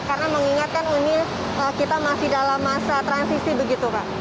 karena mengingatkan ini kita masih dalam masa transisi begitu pak